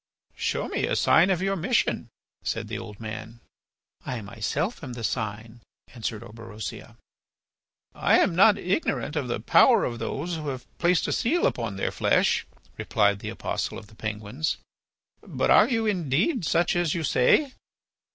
"Show me a sign of your mission," said the old man. "I myself am the sign," answered Orberosia. "I am not ignorant of the power of those who have placed a seal upon their flesh," replied the apostle of the Penguins. "But are you indeed such as you say?"